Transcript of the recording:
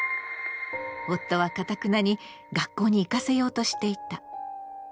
夫はかたくなに学校に行かせようとしていた。